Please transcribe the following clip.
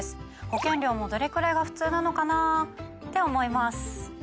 保険料もどれくらいが普通なのかな？って思います。